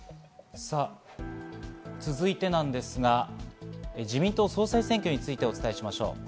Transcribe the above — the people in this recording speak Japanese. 続いてですが、自民党総裁選挙についてお伝えします。